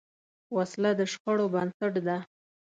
وسله د شخړو بنسټ ده